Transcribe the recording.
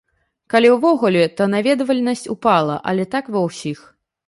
Калі ўвогуле, то наведвальнасць упала, але так у ва ўсіх.